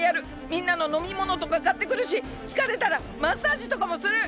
みんなののみものとかかってくるしつかれたらマッサージとかもする！